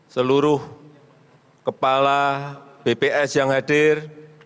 seluruh kepala bps yang hadir